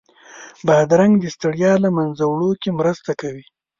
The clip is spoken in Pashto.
بادرنګ د ستړیا له منځه وړو کې مرسته کوي.